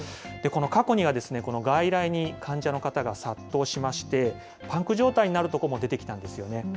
過去には、外来に患者の方が殺到しまして、パンク状態になる所も出てきたんですよね。